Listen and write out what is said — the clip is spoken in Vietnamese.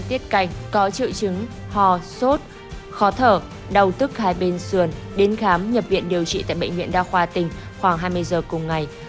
tiết canh có triệu chứng hò sốt khó thở đầu tức hai bên xườn đến khám nhập viện điều trị tại bệnh viện đa khoa tình khoảng hai mươi giờ cùng ngày